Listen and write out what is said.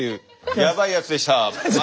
やばいやつでした。